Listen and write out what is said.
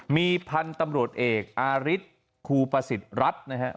มีพันธุ์ตำรวจเอกอาริสคูปาสิตรัพย์นะฮะ